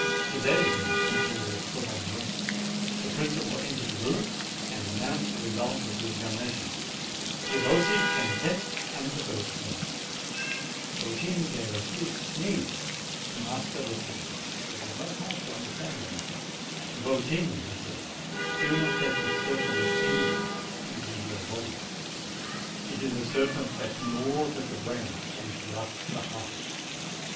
To day for instance, he was put on the rack. The principal entered the room and an nounced th f : result ,:' the examination, "D': n tenths and the first medal/' .tini g: :.: a hd| eeze. The im tef at n: it not hard to understand the matter. "Y tini," he "do not let the serpent of envy enter FXVY ITT your body ; it is a serpent which g naws at the brain and corrupts the heart."